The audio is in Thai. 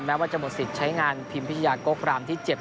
แม้ว่าจะหมดสิทธิ์ใช้งานพิมพิจารณ์โกครามที่เจ็บ